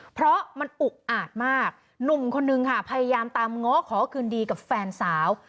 เพราะมันอุกอาจมากหนุ่มคนนึงค่ะพยายามตามง้อขอคืนดีกับแฟนสาว